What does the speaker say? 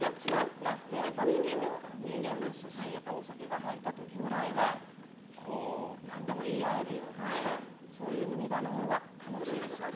人間ですしお酒が入った時ぐらいは何でも言い合えるようなそういう飲み場のほうが楽しいですよね。